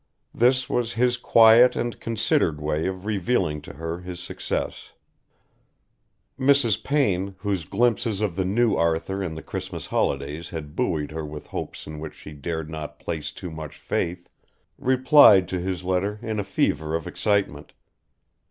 This was his quiet and considered way of revealing to her his success. Mrs. Payne, whose glimpses of the new Arthur in the Christmas holidays had buoyed her with hopes in which she dared not place too much faith, replied to his letter in a fever of excitement.